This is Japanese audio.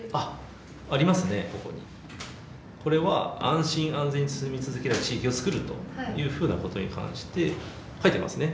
これは安心安全に住み続ける地域を作るというふうなことに関して書いてますね。